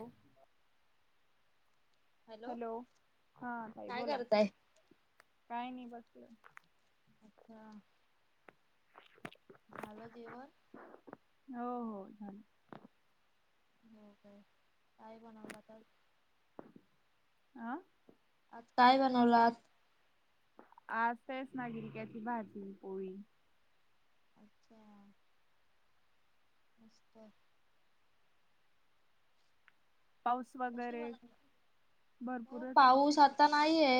हो. हॅलो हा ताई काय बोला करताय? काय नाही बसले अच्छा झाल जेवण हो हो झाल का काय बनवलात आज आं आज काय बनवल आज आज तेच ना गिलक्याची भाजी पोळी अच्छा नुसतं पाऊस वगैरे हो भरपूरच होत. पाऊस आता नाहीये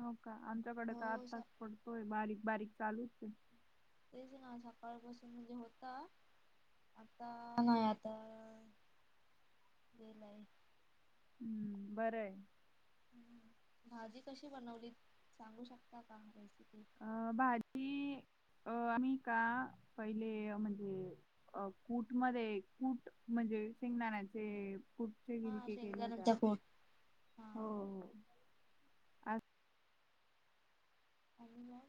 हो का आमच्याकडे तर हो आत्ताच पडतोय बारीक बारीक चालुच आहे तेच ना सकाळपासुन म्हणजे होता आता नाही आता बर आहे भाजी कशी बनवली सांगु शकता का रेसिपी अ भाजी अं आम्ही का पहिले म्हणजे अ कुट मध्ये म्हणजे शेंगदाण्याचे कुट हा की केले होत्या शेंगदाण्याचा आज कूट हा हो हो आणि ना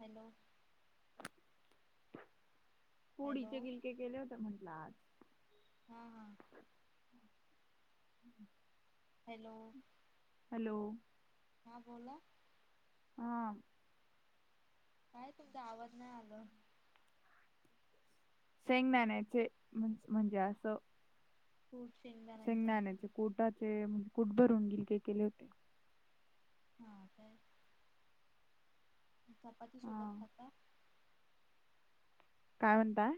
हॅलो हॅलो फोडीचे गिलके केले होते म्हटल आज हा हा हम्म्म हॅलो हॅलो हां बोला हं काय तुमचा आवाज नाही आल शेंगदाण्याचे म्हणजे अस कुट शेंगदाण्याचे शेंगदाण्याचे कुटाचे म्हणजे कुट भरून गिलके केले होते. हां का चपाती सोबत हा. खाता काय म्हणताय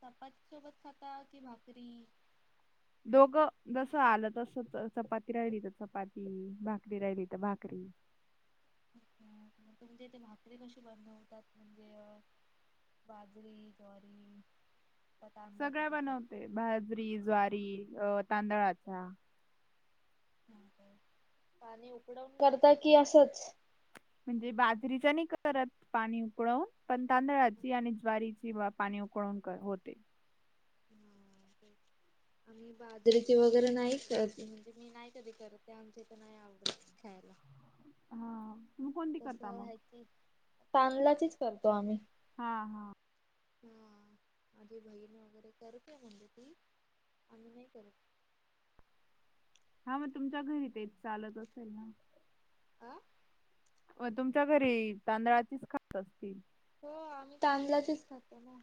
चपाती सोबत खाता की भाकरी दोघ जस आल तस चपाती राहिली तर चपाती भाकरी राहिली तर भाकरी तुमच्या इथे भाकरी कशी बनवतात म्हणजे बाजरी ज्वारी का तांदळाच्या सगळ्या पिठात बनवते बाजरी, ज्वारी, अ तांदळाच्या पाणी उकळवून करता कि असच म्हणजे बाजरीच नाही करत पाणी उकळुन पण तांदळाची आणि ज्वारीची पाणी उकळुन होते आम्ही बाजरीची वगैरे नाही म्हणजे करत मी नाही कधी करत तर ते आमच्या इथ तर नाही आवडत खायला हा म कोण तस हाय ती, तांदलाचेच करतो आम्ही. हा हा. हा, माझी बहीण वगैरे करते म्हणजे ती. आम्ही नाही करत. हा म तुमच्या घरी तेच चालत असेल ना. आ. होय तुमच्या घरी तांदळाचीच खात असतील? हो आम्ही तांदलाचेच खातो ना.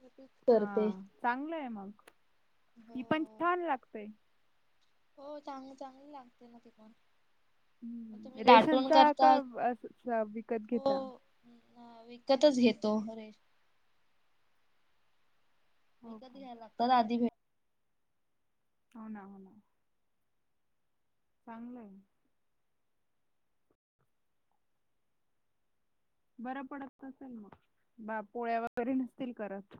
मी तीच करते. हा चांगलं आहे मग, ती पण हो छान लागतय. हो चांग-चांगल लागतय ना ते पण. तुम्ही हम्म. लाटण रेशनचा करता, का अस- स- विकत हो. घेता हा विकतच घेतो अरे. हो विकत का घ्यायला लागतात आधी भे हो ना हो ना. चांगलं ये. बर पडत असेल म, बा पोळ्या वगैरे नसतील करत.